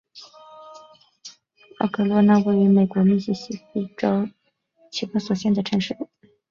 奥科洛纳是一个位于美国密西西比州奇克索县的城市。